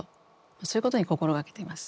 そういうことに心掛けています。